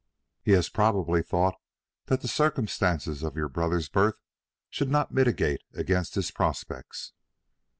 "He has probably thought that the circumstances of your brother's birth should not militate against his prospects."